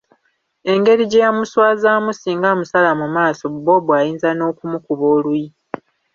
Engeri gye yamuswazaamu singa amusala mu maaso Bob ayinza n’okumukuba oluyi.